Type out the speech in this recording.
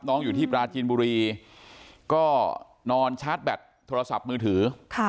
อยู่ที่ปราจีนบุรีก็นอนชาร์จแบตโทรศัพท์มือถือ